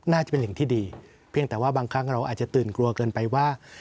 น่าจะเป็นสิ่งที่ดีเพียงแต่ว่าบางครั้งเราอาจจะตื่นกลัวเกินไปว่า